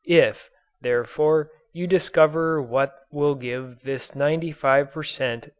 If, therefore, you discover what will give this 95 per cent.